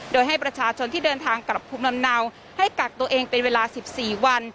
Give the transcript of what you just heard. โดยให้ประชาชนที่เดินทางกลับภูมิลำเนาให้กักตัวเองเป็นเวลา๑๔วัน